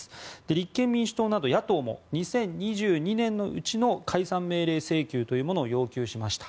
立憲民主党など、野党も２０２２年のうちの解散命令請求というものを要求しました。